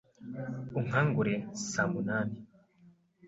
Unkangure saa munani.